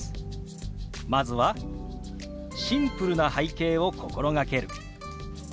まずは「シンプルな背景を心がける」。